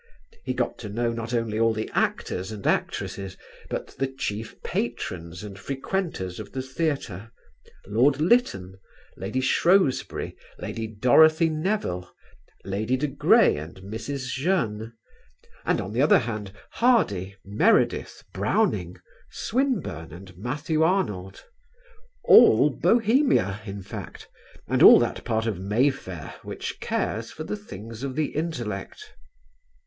He got to know not only all the actors and actresses, but the chief patrons and frequenters of the theatre: Lord Lytton, Lady Shrewsbury, Lady Dorothy Nevill, Lady de Grey and Mrs. Jeune; and, on the other hand, Hardy, Meredith, Browning, Swinburne, and Matthew Arnold all Bohemia, in fact, and all that part of Mayfair which cares for the things of the intellect.